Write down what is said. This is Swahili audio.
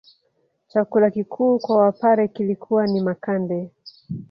Chakula kikuu kwa wapare kilikuwa ni makande